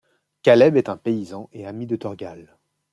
Caleb est un paysan et ami de Thorgal.